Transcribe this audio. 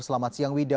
selamat siang wida